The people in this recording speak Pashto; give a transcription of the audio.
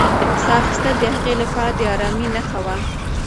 ساه اخیستل د هغې لپاره د ارامۍ نښه وه.